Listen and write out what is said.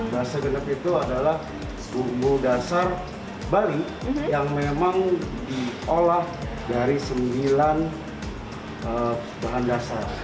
bahasa genep itu adalah bumbu dasar bali yang memang diolah dari sembilan bahan dasar